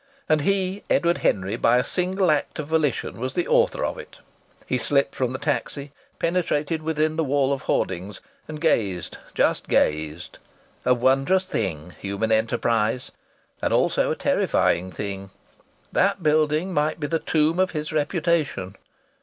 And he, Edward Henry, by a single act of volition, was the author of it! He slipped from the taxi, penetrated within the wall of hoardings, and gazed, just gazed! A wondrous thing human enterprise! And also a terrifying thing!... That building might be the tomb of his reputation.